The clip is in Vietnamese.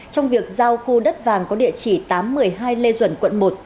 trong việc giao khu đất vàng có địa chỉ tám trăm một mươi hai lê duẩn quận một